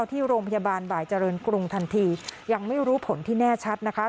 ที่โรงพยาบาลบ่ายเจริญกรุงทันทียังไม่รู้ผลที่แน่ชัดนะคะ